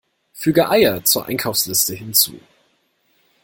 Füge Eier zur Einkaufsliste hinzu!